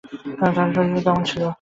তাঁহার শরীরও তেমনি ছিল।